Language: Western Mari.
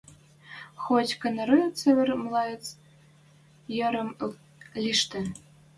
Хоть-кынары цевер млоец йӹрем лиштӹ